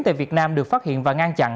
tại việt nam được phát hiện và ngăn chặn